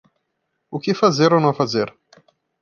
O que fazer ou não fazer